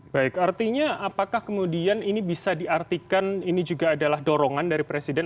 baik artinya apakah kemudian ini bisa diartikan ini juga adalah dorongan dari presiden